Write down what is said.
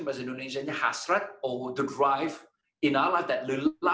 bahasa indonesia itu hasrat atau yang paling diperlukan dalam hidup kita